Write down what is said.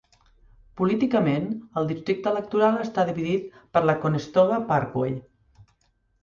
Políticament, el districte electoral està dividit per la Conestoga Parkway.